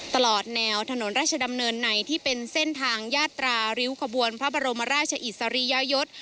ตลอดแนวถนนราชดำเนินในที่เป็นเส้นทางยาตราริ้วขบวนพระบรมราชอิสริยยศ